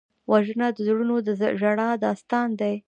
وژنه د زړونو د ژړا داستان دی